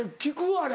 あれ。